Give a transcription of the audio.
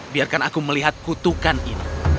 biarkan aku melihat kutukan ini